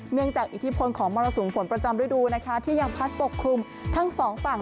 จากอิทธิพลของมรสุมฝนประจำฤดูนะคะที่ยังพัดปกคลุมทั้งสองฝั่ง